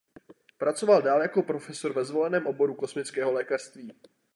Pracoval dál jako profesor ve zvoleném oboru kosmického lékařství.